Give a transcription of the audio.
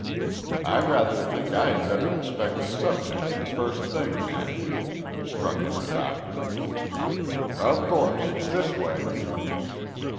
"I rather think I had better inspect the `subject' the first thing, Nashby," struck in the doctor. "Of course. This way."